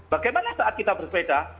bagaimana saat kita bersepeda